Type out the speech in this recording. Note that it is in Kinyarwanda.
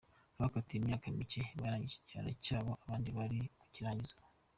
Abakatiwe imyaka mike barangije ibihano byabo abandi bari ku birangiza ubu.